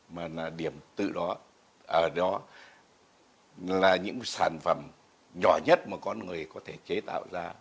mà là điểm tự đó ở đó là những sản phẩm nhỏ nhất mà con người có thể chế tạo ra